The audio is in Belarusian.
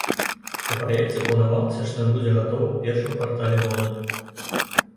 Па праекце планавалася, што ён будзе гатовы ў першым квартале года.